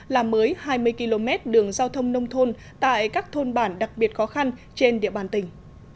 làm mới hai mươi km đường giao thông nông thôn tại các thôn bản đặc biệt khó khăn trên địa bàn tỉnh